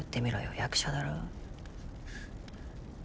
役者だろ。